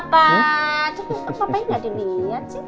papa ini enggak dilihat sih